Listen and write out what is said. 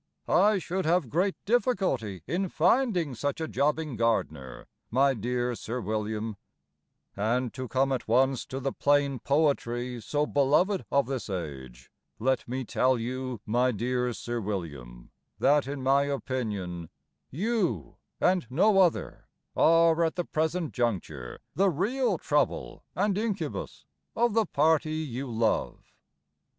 I should have great difficulty In finding such a jobbing gardener, my dear Sir William; And, to come at once to the plain poetry so belovèd of this age, Let me tell you, my dear Sir William, That, in my opinion, you (and no other) are at the present juncture The real trouble and incubus of the party you love.